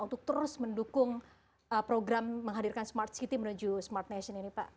untuk terus mendukung program menghadirkan smart city menuju smart nation ini pak